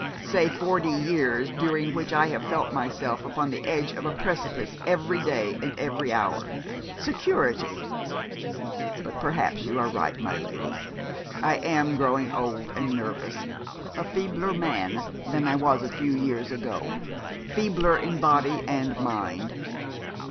'Say forty years during which I have felt myself upon the edge of a precipice every day and every hour. Security! But perhaps you are right, my lady, I am growing old and nervous, a feebler man than I was a few years ago, feebler in body and mind.